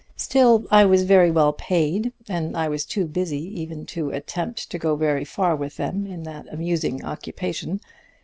Still, I was very well paid, and I was too busy even to attempt to go very far with them in that amusing occupation.